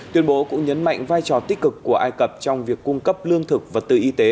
tuyên bố cũng nhấn mạnh vai trò tích cực của ai cập trong việc cung cấp lương thực vật tư y tế